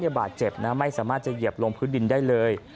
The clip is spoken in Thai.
บาดเจ็บนะไม่สามารถจะเหยียบลงพื้นดินได้เลย